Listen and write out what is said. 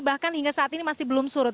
bahkan hingga saat ini masih belum surut